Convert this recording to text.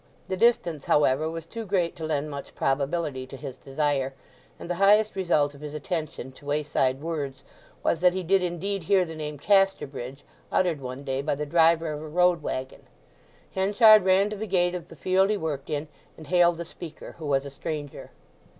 The distance, however, was too great to lend much probability to his desire; and the highest result of his attention to wayside words was that he did indeed hear the name "Casterbridge" uttered one day by the driver of a road waggon. Henchard ran to the gate of the field he worked in, and hailed the speaker, who was a stranger.